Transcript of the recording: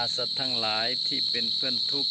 สัตว์ทั้งหลายที่เป็นเพื่อนทุกข์